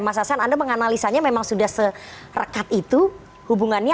mas hasan anda menganalisanya memang sudah serekat itu hubungannya